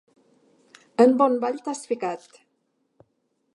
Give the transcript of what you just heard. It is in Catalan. En bon ball t'has ficat.